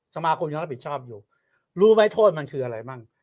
สมาคมยังรับผิดชอบอยู่รู้ไหมโทษมันคืออะไรมั่ง